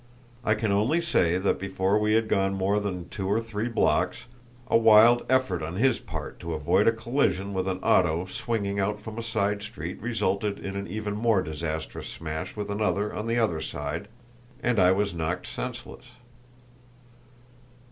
I can only say that before we had gone more than two or three blocks, a wild effort on his part to avoid a collision with an auto swinging out from a side street resulted in an even more disastrous smash with another on the other side, and I was knocked senseless."